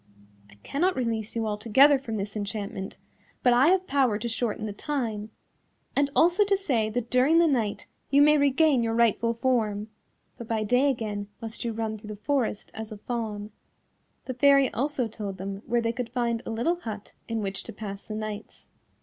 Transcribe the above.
I cannot release you altogether from this enchantment, but I have power to shorten the time, and also to say that during the night you may regain your rightful form, but by day again must you run through the forest as a Fawn." The fairy also told them where they could find a little hut in which to pass the nights.